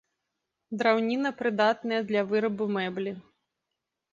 Драўніна прыдатная для вырабу мэблі.